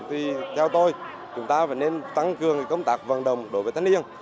thì theo tôi chúng ta phải nên tăng cường công tác vận động đối với thanh niên